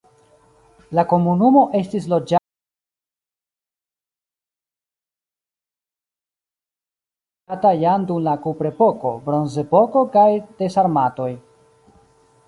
La komunumo estis loĝata jam dum la kuprepoko, bronzepoko kaj de sarmatoj.